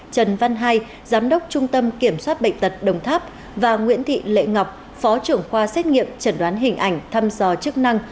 trần văn hai giám đốc trung tâm kiểm soát bệnh tật đồng tháp và nguyễn thị lệ ngọc phó trưởng khoa xét nghiệm chẩn đoán hình ảnh thăm dò chức năng